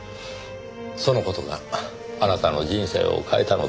その事があなたの人生を変えたのですね。